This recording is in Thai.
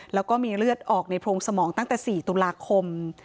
แล้วก็มีเลือดออกในโพรงสมองตั้งแต่๔ตุลาคม